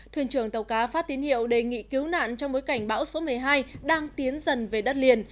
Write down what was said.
thuyền trưởng tàu cá phát tín hiệu đề nghị cứu nạn trong bối cảnh bão số một mươi hai đang tiến dần về đất liền